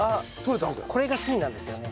これが芯なんですよね。